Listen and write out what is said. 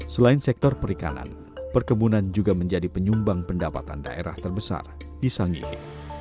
selain sektor perikanan perkebunan juga menjadi penyumbang pendapatan daerah terbesar di sangihe